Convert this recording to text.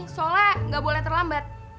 soalnya nggak boleh terlambat